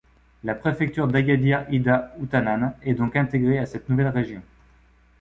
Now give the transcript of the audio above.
La préfecture d'Agadir Ida-Outanane est donc intégrée à cette nouvelle région.